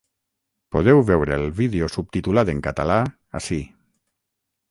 Podeu veure el vídeo subtitulat en català ací.